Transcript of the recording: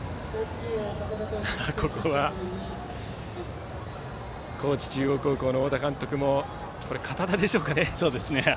ここは高知中央高校の太田監督も堅田でしょうかね。